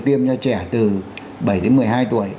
tiêm cho trẻ từ bảy đến một mươi hai tuổi